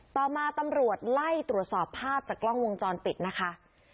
ต่อมาตำรวจไล่ตรวจสอบภาพจากกล้องวงจรปิดนะคะ